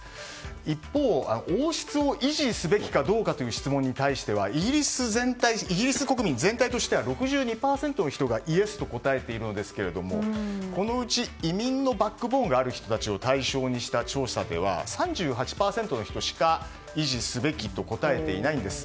一方、王室を維持すべきかどうかという質問に対してはイギリス国民全体としては６２％の人がイエスと答えているんですがこのうち、移民のバックボーンがある人たちを対象にした調査では３８％の人しか維持すべきと答えていないんです。